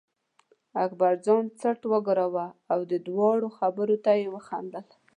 اکبرجان څټ و ګراوه او د دواړو خبرو ته یې وخندل.